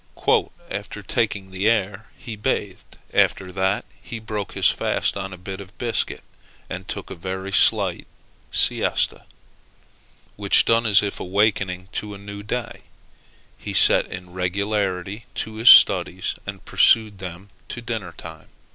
"After taking the air he bathed; after that he broke his fast on a bit of biscuit, and took a very slight siesta: which done, as if awaking to a new day, he set in regularly to his studies, and pursued them to dinner time."